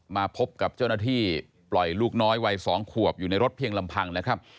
มาพบกับเจ้าหน้าที่ปล่อยลูกน้อยวัย๒ขวบอยู่ในรถเพียงลำพังนะครับ